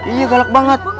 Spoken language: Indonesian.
iya galak banget